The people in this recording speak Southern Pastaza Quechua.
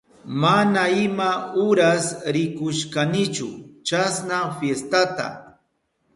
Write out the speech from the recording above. Mana ima uras rikushkanichu chasna fiestata.